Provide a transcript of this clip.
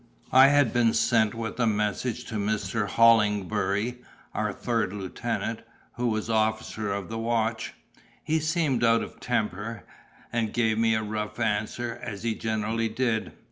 I had been sent with a message to Mr. Hollingbury, our third lieutenant, who was officer of the watch. He seemed out of temper, and gave me a rough answer; as he generally did.